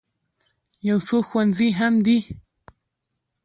یو څو ښوونځي هم دي.